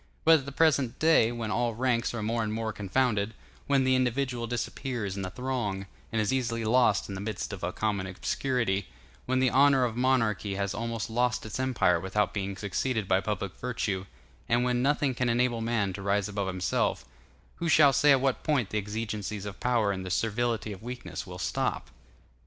But at the present day, when all ranks are more and more confounded, when the individual disappears in the throng, and is easily lost in the midst of a common obscurity, when the honor of monarchy has almost lost its empire without being succeeded by public virtue, and when nothing can enable man to rise above himself, who shall say at what point the exigencies of power and the servility of weakness will stop?